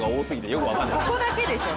ここここだけでしょ？